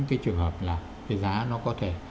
cái trường hợp là cái giá nó có thể